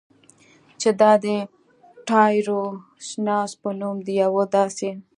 چې دا د ټایروسیناز په نوم د یوه داسې